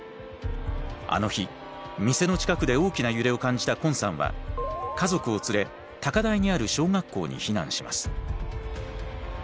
あの日店の近くで大きな揺れを感じた昆さんは家族を連れ高台にある小学校に避難します。